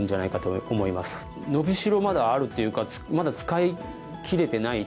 伸び代はまだあるっていうかまだ使いきれてない。